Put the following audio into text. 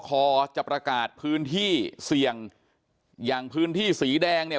คอจะประกาศพื้นที่เสี่ยงอย่างพื้นที่สีแดงเนี่ย